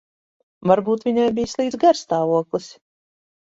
Varbūt viņai bija slikts garastāvoklis.